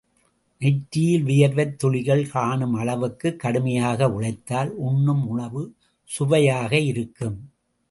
நெற்றியில் வியர்வைத் துளிகள் காணும் அளவுக்குக் கடுமையாக உழைத்தால் உண்ணும் உணவு சுவையாக இருக்கும்.